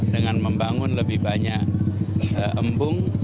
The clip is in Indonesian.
dengan membangun lebih banyak embung